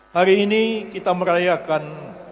hari ini kita merayakan